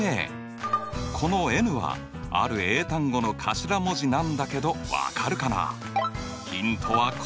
このｎはある英単語の頭文字なんだけど分かるかな？